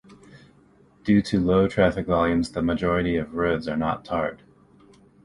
Due to low traffic volumes the majority of roads are not tarred.